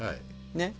ねっ。